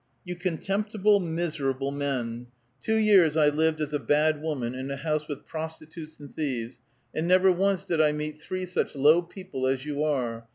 " Y'ou contemptible, miserable men ! Two years I lived as a bad woman in a house with prostitutes and thieves, and never once did I meet three such low people as you are